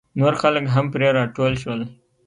نور خلک هم پرې راټول شول.